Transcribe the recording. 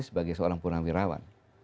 sebagai seorang pura wirawan